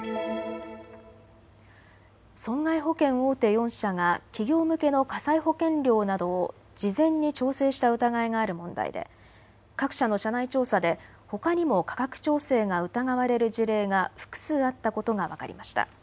損害保険大手４社が企業向けの火災保険料などを事前に調整した疑いがある問題で各社の社内調査でほかにも価格調整が疑われる事例が複数あったことが分かりました。